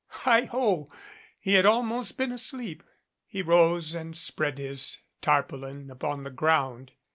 Heigho ! he had almost been asleep. He rose and spread his tarpaulin upon the ground.